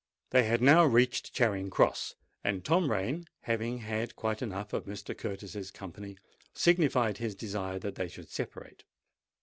They had now reached Charing Cross; and Tom Rain, having had quite enough of Mr. Curtis's company, signified his desire that they should separate.